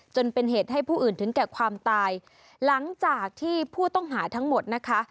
จนเป็นเหตุให้ผู้อื่นถึงแก่ความตายหลังจากที่ผู้ต้องหาทั้งหมดนะคะ